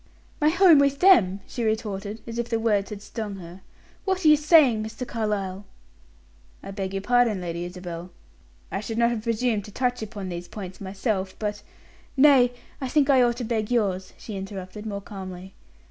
"My home with them!" she retorted, as if the words had stung her. "What are you saying, Mr. Carlyle?" "I beg your pardon, Lady Isabel. I should not have presumed to touch upon these points myself, but " "Nay, I think I ought to beg yours," she interrupted, more calmly.